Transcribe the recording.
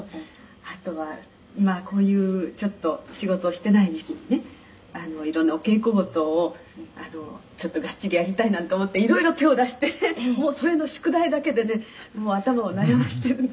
「あとはまあこういうちょっと仕事をしてない時期にねいろんなお稽古事をちょっとがっちりやりたいなんて思っていろいろ手を出してもうそれの宿題だけでね頭を悩ませてるんで」